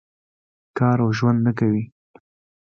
کار او ژوند نه کوي.